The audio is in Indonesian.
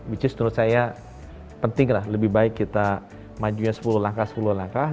which is menurut saya penting lah lebih baik kita majunya sepuluh langkah sepuluh langkah